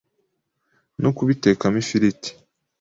no kubitekamo ifiriti,